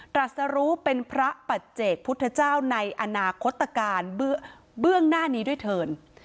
ตรัสรู้เป็นพระปัจเจกพุทธเจ้าในอนาคตการเบื้องหน้านี้ด้วยเถิน